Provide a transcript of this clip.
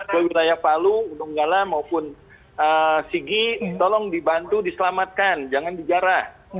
ke wilayah palu donggala maupun sigi tolong dibantu diselamatkan jangan dijarah